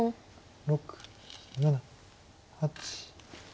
６７８。